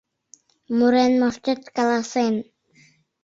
Мурен моштет каласен: